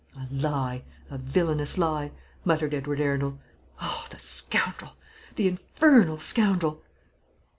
"A lie! a villanous lie!" muttered Edward Arundel. "Oh, the scoundrel! the infernal scoundrel!"